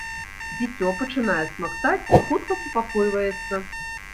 Дзіцё пачынае смактаць і хутка супакойваецца.